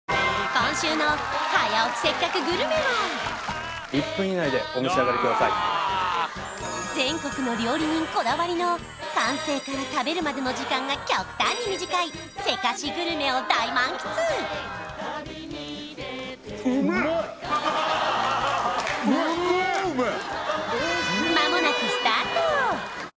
今週の「早起きせっかくグルメ！！」はあうわ全国の料理人こだわりの完成から食べるまでの時間が極端に短いせかしグルメを大満喫うめえうわっ超うめえ